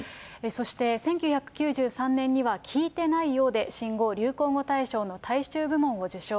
そして１９９３年には、聞いてないよォで新語・流行語大賞の大衆部門を受賞。